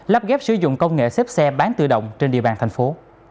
lắp ghép sử dụng công nghệ xếp xe bán tự động trên địa bàn thành phố